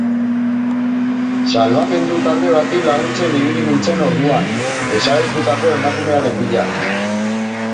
Salbamendu talde bati laguntzen ibili nintzen orduan, desagertutako emakumearen bila.